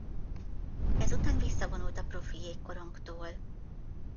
Ezután visszavonult a profi jégkorongtól.